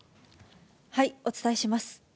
お伝えします。